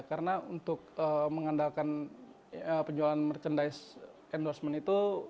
karena untuk mengandalkan penjualan merchandise endorsement itu